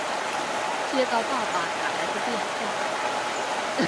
接到爸爸打来的电话